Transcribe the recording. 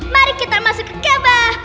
mari kita masuk ke gabah